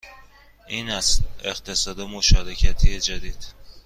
این است اقتصاد مشارکتی جدید